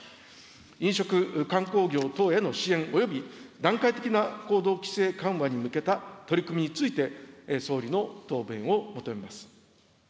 飲食・観光業等への支援、および段階的な行動規制緩和に向けた取り組みについて、総理の答弁を求めます。